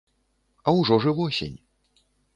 А ўжо ж і восень.